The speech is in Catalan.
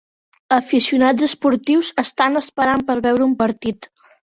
Aficionats esportius estan esperant per veure un partit.